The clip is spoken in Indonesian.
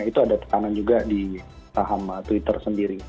itu ada tekanan juga di saham twitter sendiri